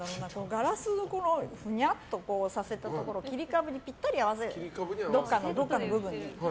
ガラスをぐにゃっとさせたところを切り株にぴったりに合わせるどっかの部分に。